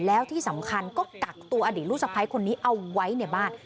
แล้วที่สำคัญก็กักตัวอดีตลูกสะพ้ายคนนี้เอาไว้ในบ้าน